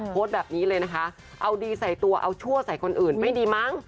โพสต์แบบนี้เลยนะคะเอาดีใส่ตัวเอาชั่วใส่คนอื่นไม่ดีมั้ง